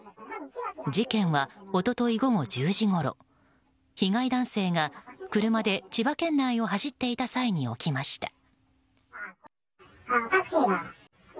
事件は一昨日午後１０時ごろ被害男性が車で千葉県内を走っていた際に起きました。